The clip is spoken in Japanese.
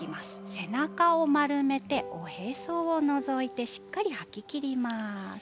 背中を丸めておへそをのぞいてしっかり吐ききります。